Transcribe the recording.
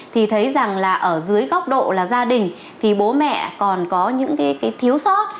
thì thấy rằng là ở dưới góc độ là gia đình thì bố mẹ còn có những cái thiếu sót